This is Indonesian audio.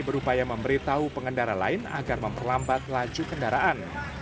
berupaya memberitahu pengendara lain agar memperlambat laju kendaraan